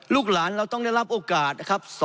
ลูกหลานเราต้องได้รับโอกาสนะครับ